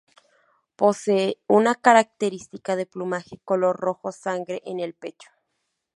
Posee una característica de plumaje color rojo sangre en el pecho.